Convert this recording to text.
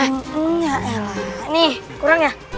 nih kurang ya